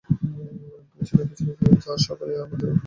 পেছনে যা সবাই, আমাদের ওকে জীবিত চাই।